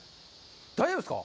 大丈夫ですか？